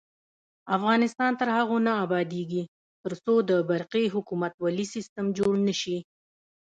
افغانستان تر هغو نه ابادیږي، ترڅو د برقی حکومتولي سیستم جوړ نشي.